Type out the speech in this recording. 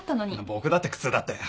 僕だって苦痛だったよ。